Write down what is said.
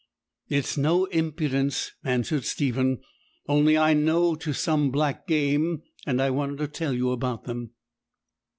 'It's no impudence,' answered Stephen; 'only I know to some black game, and I wanted to tell you about them.'